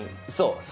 そう。